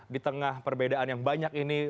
di tengah perbedaan yang banyak ini